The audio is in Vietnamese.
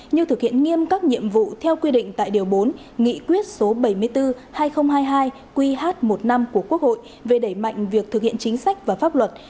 như thực hiện nghiêm các nhiệm vụ theo quy định tại điều bốn nghị quyết số bảy mươi bốn hai nghìn hai mươi hai qh một năm của quốc hội về đẩy mạnh việc thực hiện chính sách và pháp luật